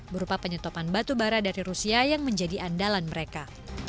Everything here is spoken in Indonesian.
berupa penyetopan batubara dari rusia yang menjadi andalan mereka